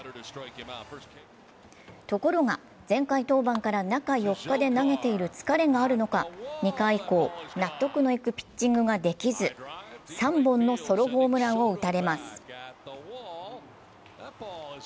ところが前回登板から中４日で投げている疲れがあるのか２回以降、納得のいくピッチングができず３本のソロホームランを打たれます